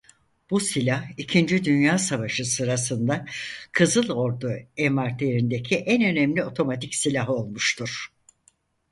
Bu silah ikinci Dünya Savaşı sırasında Kızıl Ordu envanterindeki en önemli otomatik silah olmuştur.